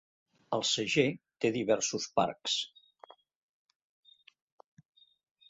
Alsager té diversos parcs.